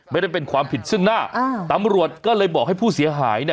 ไม่ได้เป็นความผิดซึ่งหน้าอ่าตำรวจก็เลยบอกให้ผู้เสียหายเนี่ย